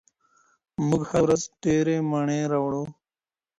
موږ هره ورځ ډېري مڼې راوړو.